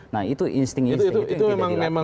nah itu insting insting itu yang kita dilaporkan